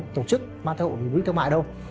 tổ chức mang thai hộ